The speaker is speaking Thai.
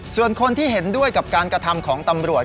ส่วนคนที่เห็นด้วยกับการกระทำของตำรวจ